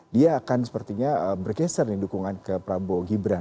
dia akan sepertinya bergeser nih dukungan ke prabowo gibran